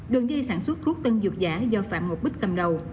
đường dây sản xuất thuốc tân dược giả do phạm ngọc bích cầm đầu